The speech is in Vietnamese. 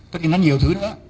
tất nhiên là nhiều thứ nữa